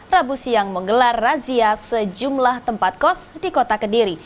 rabu siang menggelar razia sejumlah tempat kos di kota kediri